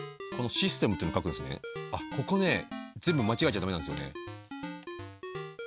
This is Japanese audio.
あっここね全部間違えちゃ駄目なんですよね。